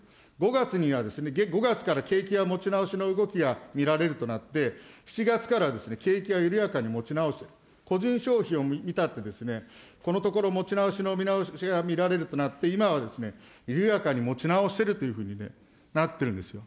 ５月には、５月から景気は持ち直しの動きが見られるとなって、７月からは景気は緩やかに持ち直している、個人消費を見たってですね、このところ持ち直しの見直しが見られるとなって、今は緩やかに持ち直しているというふうになってるんですよ。